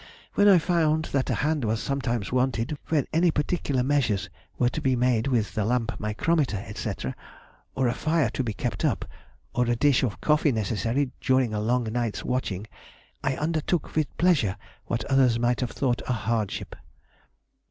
When I found that a hand was sometimes wanted when any particular measures were to be made with the lamp micrometer, &c., or a fire to be kept up, or a dish of coffee necessary during a long night's watching, I undertook with pleasure what others might have thought a hardship....